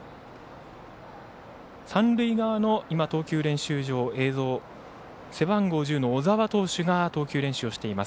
三塁側の投球練習場背番号１０の小澤投手が投球練習をしています。